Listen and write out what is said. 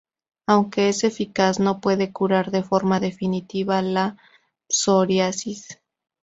Aunque es eficaz, no puede curar de forma definitiva la psoriasis.